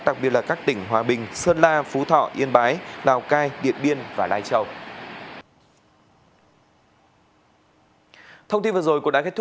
đặc biệt là các tỉnh hòa bình sơn la phú thọ yên bái lào cai điện biên và lai châu